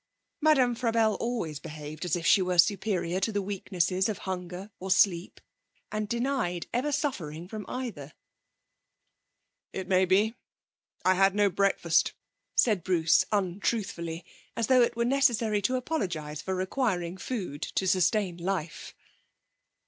Madame Frabelle always behaved as if she were superior to the weaknesses of hunger or sleep, and denied ever suffering from either. 'It may be. I had no breakfast,' said Bruce untruthfully, as though it were necessary to apologise for requiring food to sustain life.